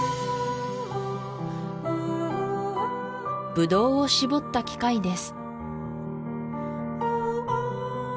ブドウをしぼった機械です